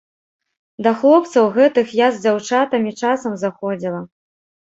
Да хлопцаў гэтых я з дзяўчатамі часам заходзіла.